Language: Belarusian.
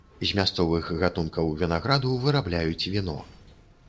З мясцовых гатункаў вінаграду вырабляюць віно.